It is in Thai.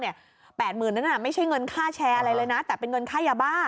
๘๐๐๐นั้นไม่ใช่เงินค่าแชร์อะไรเลยนะแต่เป็นเงินค่ายาบ้า